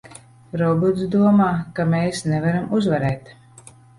Robots domā, ka mēs nevaram uzvarēt!